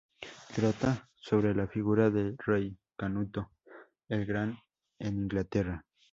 Trata sobre la figura del rey Canuto el Grande en Inglaterra.